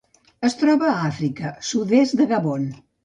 Es troba a Àfrica: sud-est de Gabon.